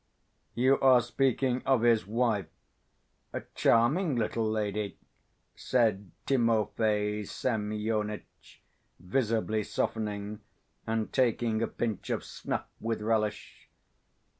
"You are speaking of his wife? A charming little lady," said Timofey Semyonitch, visibly softening and taking a pinch of snuff with relish.